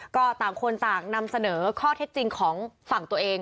ก็ต่างคนต่างนำเสนอข้อเท็จจริงของฝั่งตัวเอง